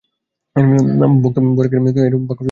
ভক্ত বৈরাগীর মৃত্যুর সঙ্গে এইরূপ বাক্যযোজনা একটু হাস্যোদ্দীপক।